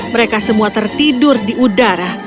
mereka semua tertidur di udara